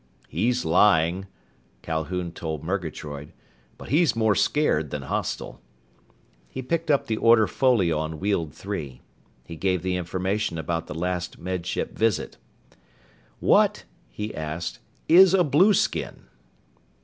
"He's lying," Calhoun told Murgatroyd, "but he's more scared than hostile." He picked up the order folio on Weald Three. He gave the information about the last Med Ship visit. "What?" he asked, "is a blueskin?"